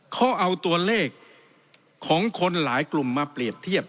เขาเอาตัวเลขของคนหลายกลุ่มมาเปรียบเทียบ